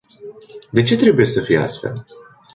De ce trebuie să fie astfel?